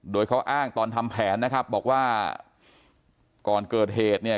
โดยเขาอ้างตอนทำแผนนะครับบอกว่าก่อนเกิดเหตุเนี่ย